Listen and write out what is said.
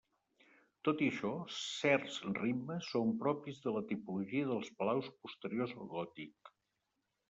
Tot i això, certs ritmes són propis de la tipologia dels palaus posteriors al gòtic.